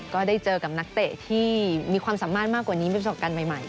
ก็ได้เจอกับนักเตะที่มีความสามารถมากกว่านี้